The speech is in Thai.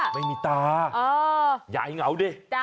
ไม่มีตายายเหงาดิ